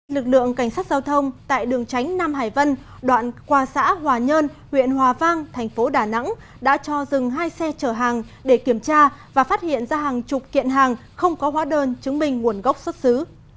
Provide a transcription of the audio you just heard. lực lượng cảnh sát giao thông tại đường tránh nam hải vân đoạn qua xã hòa nhơn huyện hòa vang thành phố đà nẵng đã cho dừng hai xe chở hàng để kiểm tra và phát hiện ra hàng chục kiện hàng không có hóa đơn chứng minh nguồn gốc xuất xứ